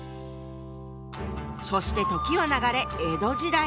そして時は流れ江戸時代。